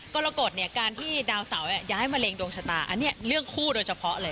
ก็ค่อนข้างหนักห่วงพอสมควร